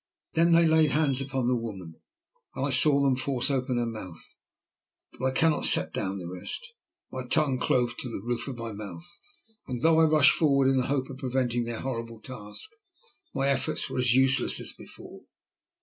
Then they laid hands upon the woman, and I saw them force open her mouth but I cannot set down the rest. My tongue clove to the roof of my mouth, and though I rushed forward in the hope of preventing their horrible task, my efforts were as useless as before.